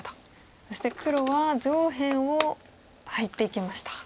そして黒は上辺を入っていきました。